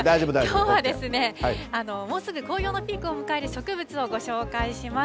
きょうはですね、もうすぐ紅葉のピークを迎える植物をご紹介します。